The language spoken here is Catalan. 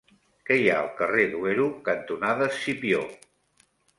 Què hi ha al carrer Duero cantonada Escipió?